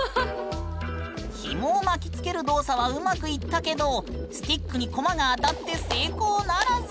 ヒモを巻きつける動作はうまくいったけどスティックにコマが当たって成功ならず。